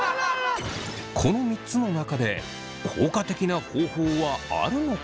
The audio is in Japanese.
この３つの中で効果的な方法はあるのか？